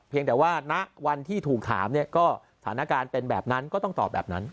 แต่ว่าณวันที่ถูกถามเนี่ยก็สถานการณ์เป็นแบบนั้นก็ต้องตอบแบบนั้น